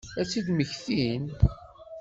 Ad tt-id-mmektin?